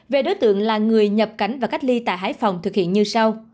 về đối tượng là người nhập cảnh và cách ly tại hải phòng thực hiện như sau